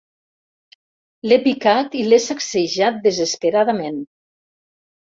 L'he picat i l'he sacsejat desesperadament.